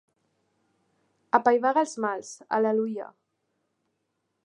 Apaivaga els mals, al·leluia!